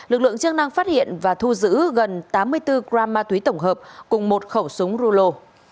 lực lượng chức năng phát hiện và thu giữ gần tám mươi bốn gram ma túy tổng hợp cùng một khẩu súng rulo